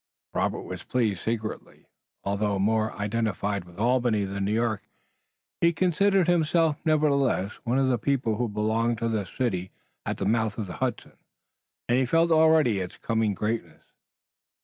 Robert was pleased secretly. Although more identified with Albany than New York, he considered himself nevertheless one of the people who belonged to the city at the mouth of the Hudson, and he felt already its coming greatness.